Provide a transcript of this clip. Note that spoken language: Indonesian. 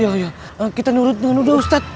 iya iya kita nurut dengan udah ustadz